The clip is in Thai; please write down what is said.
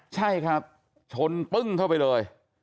ใช่ครับชนปึ้งเข้าไปเลย